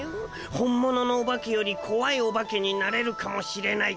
本物のオバケよりこわいオバケになれるかもしれない。